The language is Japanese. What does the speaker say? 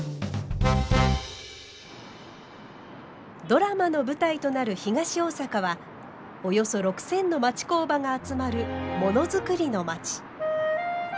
ドラマの舞台となる東大阪はおよそ６，０００の町工場が集まるものづくりの町。